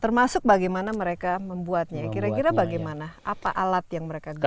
termasuk bagaimana mereka membuatnya kira kira bagaimana apa alat yang mereka gunakan